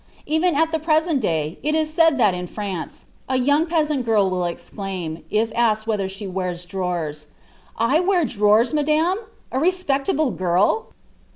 Even at the present day, it is said that in France, a young peasant girl will exclaim, if asked whether she wears drawers: "I wear drawers, Madame? A respectable girl!"